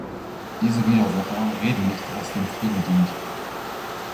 Diese Widersacher „reden nicht, was dem Frieden dient.